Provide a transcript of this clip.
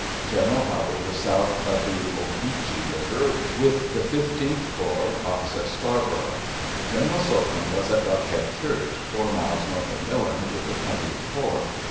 General Howard was south of the Ogeechee River, with the Fifteenth Corps, opposite Scarboro'. General Slocum was at Buckhead Church, four miles north of Millen, with the Twentieth Corps.